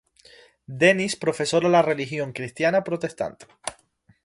Dennis profesa la religión cristiana protestante.